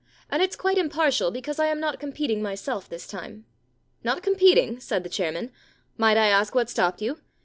And it*s quite impartial, because I am not competing myself this time.* * Not competing ?' said the chairman. * Might I ask what stopped you